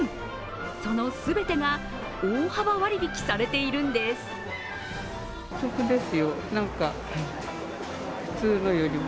その全てが大幅割引されているんです。